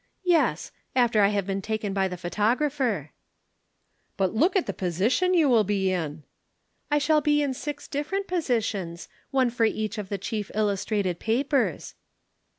"'Yes after I have been taken by the photographer.' "'But look at the position you will be in?' "'I shall be in six different positions one for each of the chief illustrated papers.'